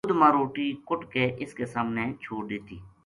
دودھ ما روٹی کُٹ کے اس کے سامنے چھوڈ دتّی